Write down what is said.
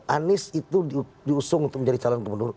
anies itu diusung untuk menjadi calon gubernur